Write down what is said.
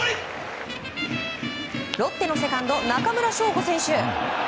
ロッテのセカンド中村奨吾選手。